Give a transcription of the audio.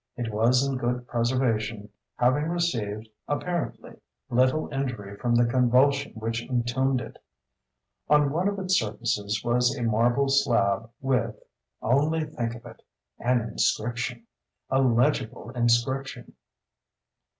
It was in good preservation, having received, apparently, little injury from the convulsion which entombed it. On one of its surfaces was a marble slab with (only think of it!) an inscription—a legible inscription.